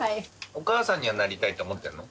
お母さんにはなりたいと思ってんの？